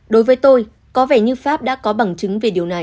đối với tôi có vẻ như pháp đã có bằng chứng về điều này